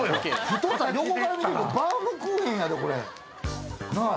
太さ横から見てこれバウムクーヘンやでこれなぁ。